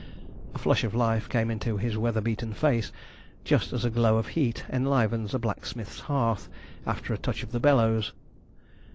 A flush of life came into his weather beaten face, just as a glow of heat enlivens a blacksmith's hearth, after a touch of the bellows.